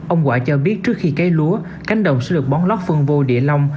ông quả cho biết trước khi cấy lúa cánh đồng sẽ được bón lót phân vô địa long